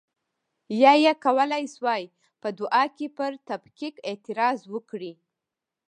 یا یې کولای شوای په دعا کې پر تفکیک اعتراض وکړي.